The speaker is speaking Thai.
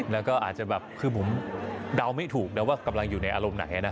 แล้วก็อาจจะแบบคือผมเดาไม่ถูกนะว่ากำลังอยู่ในอารมณ์ไหนนะ